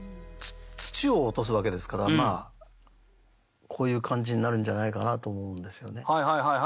土を落とすわけですからこういう感じになるんじゃないかなと思うんですよね。